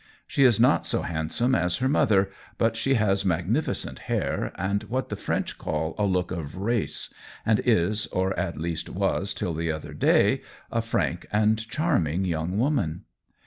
She is not so handsome as her mother, but she has magnificent hair, and what the French call a look of race, and is, or at least was till the other day, a frank and charming young woman.